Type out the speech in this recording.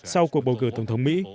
sau cuộc bầu cử tổng thống mỹ